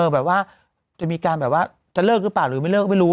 แบบว่าจะเลิกหรือเปล่าหรือไม่เลิกก็ไม่รู้